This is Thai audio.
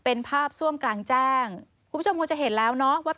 เป็นภาพซ่วมกลางแจ้ง